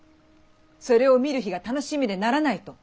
それを見る日が楽しみでならない」と。